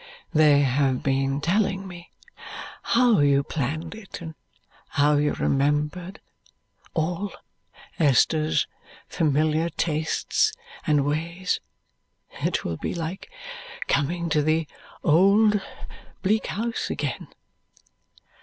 They have been telling me how you planned it and how you remembered all Esther's familiar tastes and ways. It will be like coming to the old Bleak House again."